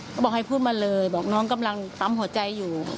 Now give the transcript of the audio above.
ก็บอกให้พูดมาเลยบอกน้องกำลังปั๊มหัวใจอยู่